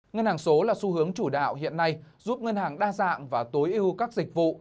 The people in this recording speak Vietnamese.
ngân hàng số là xu hướng chủ đạo hiện nay giúp ngân hàng đa dạng và tối ưu các dịch vụ